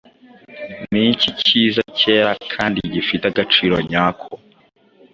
Niki cyiza cyera kandi gifite agaciro nyako